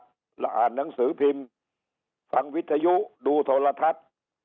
อ่านหนังสือพิมพ์ฟังวิทยุดูโทรทัศน์